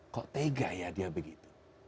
kok tega ya dia begitu